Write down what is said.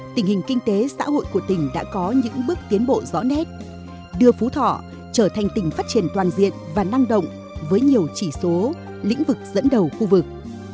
tình hình kinh tế xã hội của tỉnh đã có những bước tiến bộ rõ nét đưa phú thọ trở thành tỉnh phát triển toàn diện và năng động với nhiều chỉ số lĩnh vực dẫn đầu khu vực